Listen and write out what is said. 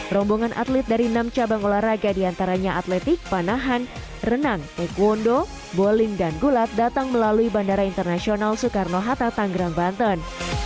rombongan atlet dari enam cabang olahraga diantaranya atletik panahan renang taekwondo bowling dan gulat datang melalui bandara internasional soekarno hatta tanggerang banten